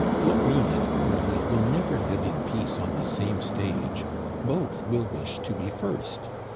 Florine and Coralie will never live in peace on the same stage; both will wish to be first.